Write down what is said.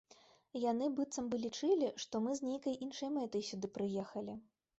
Яны быццам бы лічылі, што мы з нейкай іншай мэтай сюды прыехалі.